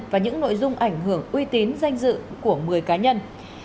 và những nội dung ảnh hưởng uy tín danh dự của người cá nhân